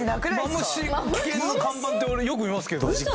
「マムシ危険」の看板って俺よく見ますけどうそ？